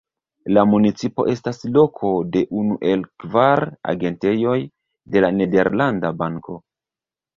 La municipo estas loko de unu el kvar agentejoj de La Nederlanda Banko.